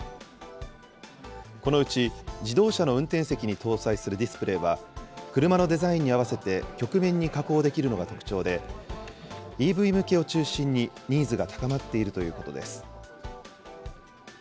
このうち自動車の運転席に搭載するディスプレーは、車のデザインに合わせて、曲面に加工できるのが特徴で、ＥＶ向けを中心に、ニーズが高まっているということです。